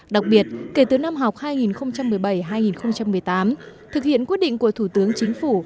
đặc biệt kể từ năm học hai nghìn một mươi bảy hai nghìn một mươi tám thực hiện quyết định của thủ tướng chính phủ